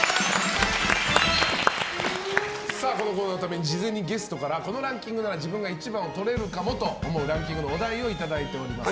このコーナーのために事前にゲストからこのランキングなら自分が１番をとれるかもと思うランキングのお題をいただいております。